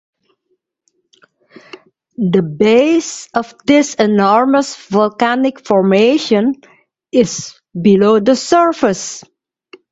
The base of this enormous volcanic formation is below the surface.